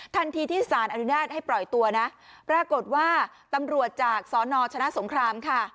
ทันทีที่สารอนุญาตให้ปล่อยตัวนะปรากฏว่าตำรวจจากสนชนะสงครามค่ะ